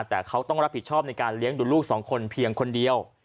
แต่เขาต้องรับผิดชอบในการเลี้ยงดูลูกสองคนเพียงคนเดียว